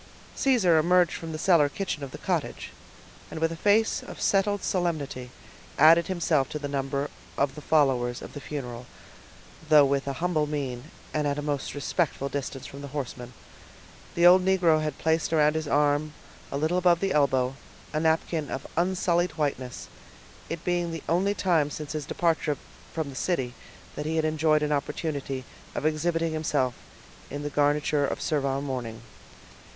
Caesar emerged from the cellar kitchen of the cottage, and with a face of settled solemnity, added himself to the number of the followers of the funeral, though with a humble mien and at a most respectful distance from the horsemen. The old negro had placed around his arm, a little above the elbow, a napkin of unsullied whiteness, it being the only time since his departure from the city that he had enjoyed an opportunity of exhibiting himself in the garniture of servile mourning.